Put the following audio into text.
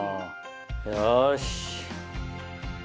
よし。